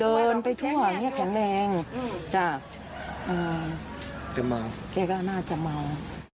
เดินไปทั่วเนี่ยแผ่นแรงจากแกก็น่าจะเมา